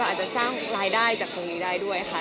อาจจะสร้างรายได้จากตรงนี้ได้ด้วยค่ะ